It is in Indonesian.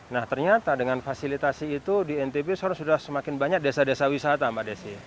nah ternyata dengan fasilitasi itu di ntb sudah semakin banyak desa desa wisata mbak desi